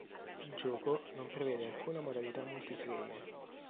Il gioco non prevede alcuna modalità multiplayer.